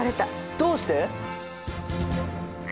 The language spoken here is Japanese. どうして？